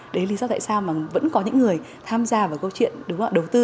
đấy là lý do tại sao mà vẫn có những người tham gia vào câu chuyện đầu tư